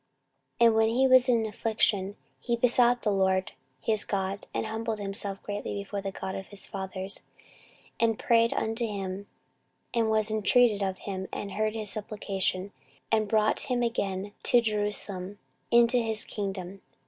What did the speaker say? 14:033:012 And when he was in affliction, he besought the LORD his God, and humbled himself greatly before the God of his fathers, 14:033:013 And prayed unto him: and he was intreated of him, and heard his supplication, and brought him again to Jerusalem into his kingdom.